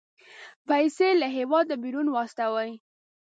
پيسې له هېواده بيرون واستوي.